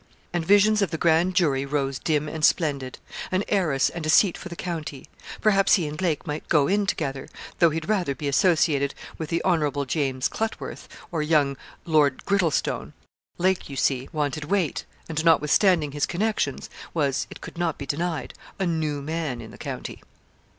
And visions of the grand jury rose dim and splendid an heiress and a seat for the county; perhaps he and Lake might go in together, though he'd rather be associated with the Hon. James Cluttworth, or young Lord Griddlestone. Lake, you see, wanted weight, and, nothwithstanding his connections, was, it could not be denied, a new man in the county.